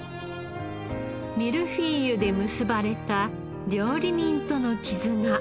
ミルフィーユで結ばれた料理人との絆。